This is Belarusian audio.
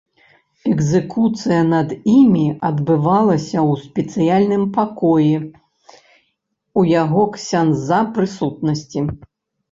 Экзекуцыя над імі адбывалася ў спецыяльным пакоі ў яго, ксяндза, прысутнасці.